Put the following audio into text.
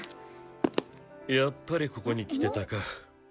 やっぱりここに来てたか。